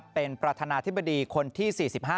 เป็นประธานาธิบดีคนที่๔๕